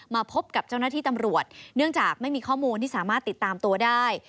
พบกับเจ้าหน้าที่ตำรวจเนื่องจากไม่มีข้อมูลที่สามารถติดตามตัวได้